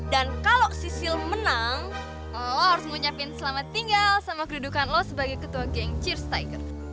dan kalau si sil menang lo harus mau nyiapin selamat tinggal sama kedudukan lo sebagai ketua geng cheers tiger